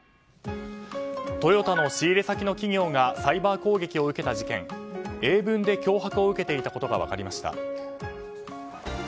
トヨタの仕入れ先の企業がサイバー攻撃を受けた事件英文で脅迫を受けていたことが分かりました。